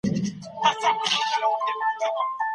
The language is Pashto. ځوانان به